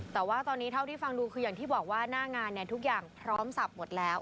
แต่ว่าตอนนี้เท่าที่ฟังดูคืออย่างที่บอกว่าหน้างานเนี่ยทุกอย่างพร้อมสับหมดแล้ว